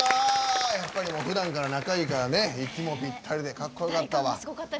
ふだんから仲いいから息もぴったりでかっこよかったわ。